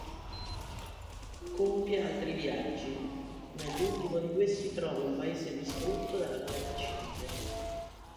Compie altri viaggi, nell'ultimo di questi trova un Paese distrutto dalla guerra civile.